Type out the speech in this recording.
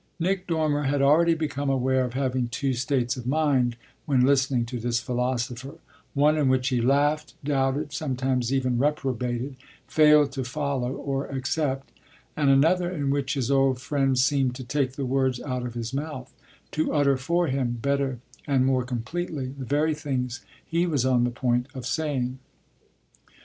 Nick Dormer had already become aware of having two states of mind when listening to this philosopher; one in which he laughed, doubted, sometimes even reprobated, failed to follow or accept, and another in which his old friend seemed to take the words out of his mouth, to utter for him, better and more completely, the very things he was on the point of saying.